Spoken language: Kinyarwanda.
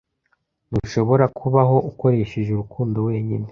Ntushobora kubaho ukoresheje urukundo wenyine.